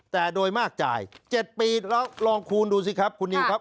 แต่โดยมากจ่าย๗ปีแล้วลองคูณดูสิครับคุณนิวครับ